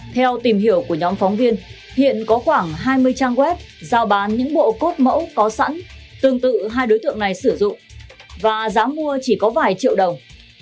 theo tìm hiểu của nhóm phóng viên hiện có khoảng hai mươi trang web giao bán những bộ cốt mẫu có sẵn tương tự hai đối tượng này sử dụng và giá mua chỉ có vài triệu đồng